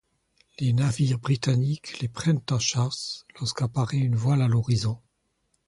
Les navires britanniques les prennent en chasse lorsqu’apparaît une voile à l’horizon.